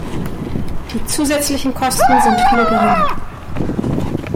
Die zusätzlichen Kosten sind viel geringer.